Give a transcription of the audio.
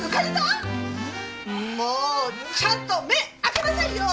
もうちゃんと目開けなさいよ！